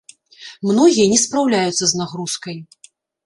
Многія не спраўляюцца з нагрузкай.